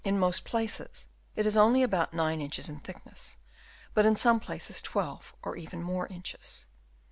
221 most places it is only about 9 inches in thick ness, but in some places 12 or even more inches.